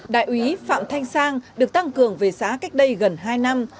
đại úy phạm thanh sang được tăng cường về xã cách đây gần hai năm